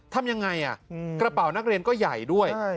ทำยังไงกระเป๋านักเรียนก็ใหญ่ด้วย